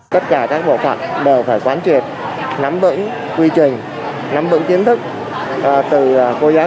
tất cả các bộ phận đều phải quán triệt nắm vững quy trình nắm vững kiến thức từ cô giáo